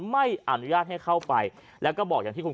ชาวบ้านญาติโปรดแค้นไปดูภาพบรรยากาศขณะ